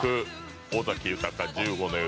尾崎豊『１５の夜』。